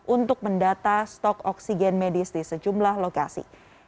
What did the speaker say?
untuk mendata stok oksigen medis di sejumlah lokasi